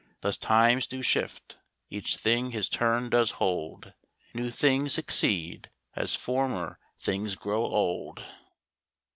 Thus times do shift; each thing his turn does hold; New things succeed, as former things grow old.